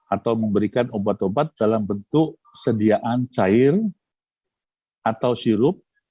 atau memberikan obat obat dalam bentuk sediaan cair atau sirup